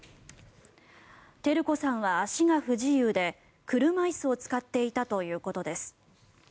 照子さんは足が不自由で車椅子を使っていたということです。